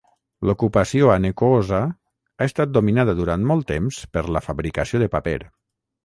L'ocupació a Nekoosa ha estat dominada durant molt temps per la fabricació de paper.